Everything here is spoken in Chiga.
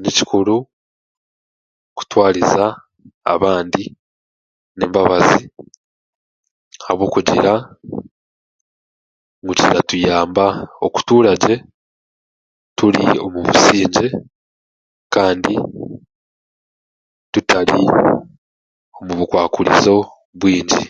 Ni kikuru kutwariza abandi n'embabazi ahabwokugira ngu kiratuyamba okutuuragye turi omu busingye kandi tutari mu bukwakurizo bwingi.